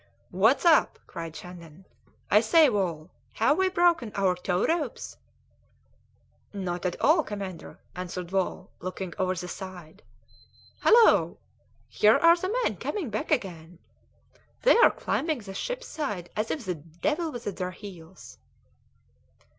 "What's up?" cried Shandon. "I say, Wall! have we broken our tow ropes?" "Not at all, commander," answered Wall, looking over the side. "Hallo! Here are the men coming back again. They are climbing the ship's side as if the devil was at their heels."